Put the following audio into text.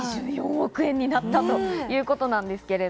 ２４億円だったということです。